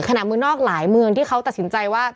เมืองนอกหลายเมืองที่เขาตัดสินใจว่า